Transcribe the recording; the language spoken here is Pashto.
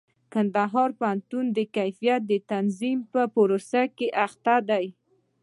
کندهار پوهنتون د کيفيت د تضمين په پروسه اخته دئ.